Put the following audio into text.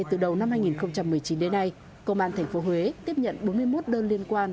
từ đầu năm hai nghìn một mươi chín đến nay công an tp huế tiếp nhận bốn mươi một đơn liên quan